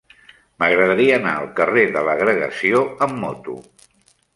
M'agradaria anar al carrer de l'Agregació amb moto.